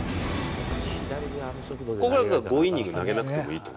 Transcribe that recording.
５イニング投げなくてもいいと。